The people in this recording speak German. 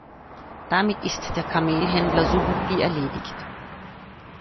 Damit ist der Kamelhändler so gut wie erledigt.